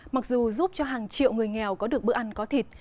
mặc dù giúp cho hàng triệu người nghèo có được bữa ăn có thịt